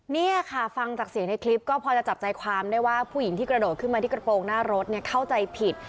นี่ค่ะฟังจากเสียงในคลิปก็พอจะจับใจความได้ว่าผู้หญิงที่กระโดดขึ้นมาที่กระโปรงหน้ารถเนี่ยเข้าใจผิด